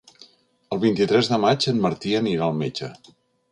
El vint-i-tres de maig en Martí anirà al metge.